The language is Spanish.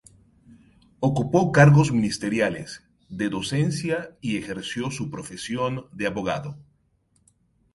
Ocupó cargos ministeriales, de docencia y ejerció su profesión de abogado.